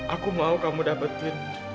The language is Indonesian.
aku mau kamu dapetin